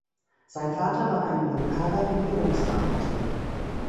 Sein Vater war ein lokaler Regierungsbeamter.